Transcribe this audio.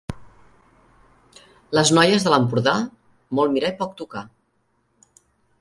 Les noies de l'Empordà, molt mirar i poc tocar.